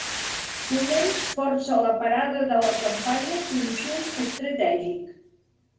Foment força la parada de la campanya Consum Estratègic